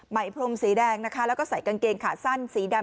พรมสีแดงนะคะแล้วก็ใส่กางเกงขาสั้นสีดำ